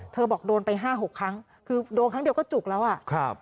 บอกโดนไปห้าหกครั้งคือโดนครั้งเดียวก็จุกแล้วอ่ะครับ